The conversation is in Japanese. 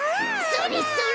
それそれ。